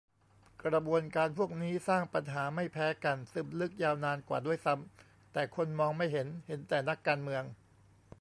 กระบวนการพวกนี้ สร้างปัญหาไม่แพ้กัน ซึมลึกยาวนานกว่าด้วยซ้ำ แต่คนมองไม่เห็น เห็นแต่ "นักการเมือง"